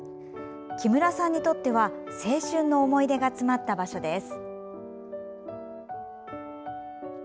木村さんにとっては青春の思い出が詰まった場所です。